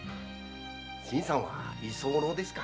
新さんは居候ですか。